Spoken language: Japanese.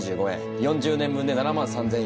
４０年分で７万３，０００円。